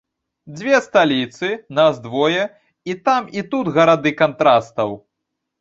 Дзве сталіцы, нас двое, і там і тут гарады кантрастаў.